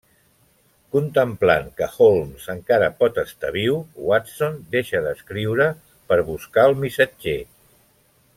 Contemplant que Holmes encara pot estar viu, Watson deixa d'escriure per buscar al missatger.